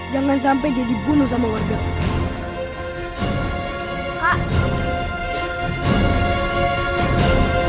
jangan sampai dia dibunuh sama warga